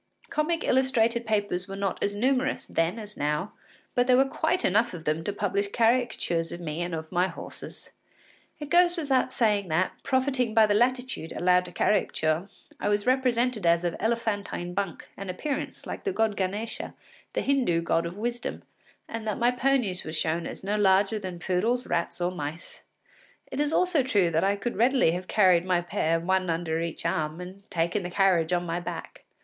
Comic illustrated papers were not as numerous then as now, but there were quite enough of them to publish caricatures of me and of my horses. It goes without saying that, profiting by the latitude allowed to caricature, I was represented as of elephantine bulk and appearance, like the god Ganesa, the Hindoo god of wisdom, and that my ponies were shown as no larger than poodles, rats, or mice. It is also true that I could readily enough have carried my pair one under each arm, and taken the carriage on my back.